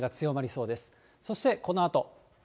そしてこのあと。